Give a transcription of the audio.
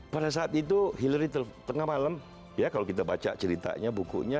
pada saat itu hillary tengah malam ya kalau kita baca ceritanya bukunya